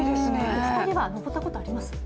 お二人は登ったことあります？